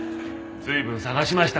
随分探しました。